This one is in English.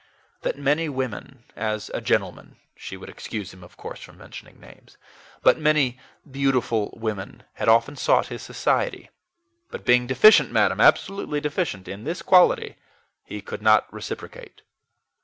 That many women as a gentleman she would excuse him, of course, from mentioning names but many beautiful women had often sought his society, but being deficient, madam, absolutely deficient, in this quality, he could not reciprocate.